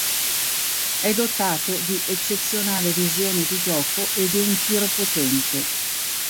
Ѐ dotato di eccezionale visione di gioco e di un tiro potente.